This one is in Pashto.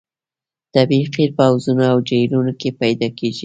طبیعي قیر په حوضونو او جهیلونو کې پیدا کیږي